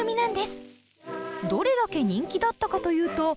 どれだけ人気だったかというと。